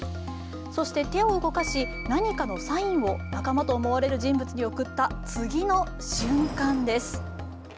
そして手を動かし何かのサインを仲間と思われる人物に送った次の瞬間です。